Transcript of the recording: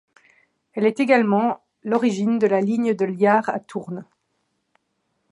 Elle est également l'origine de la ligne de Liart à Tournes.